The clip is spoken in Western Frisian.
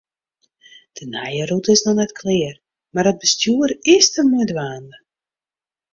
De nije rûte is noch net klear, mar it bestjoer is der mei dwaande.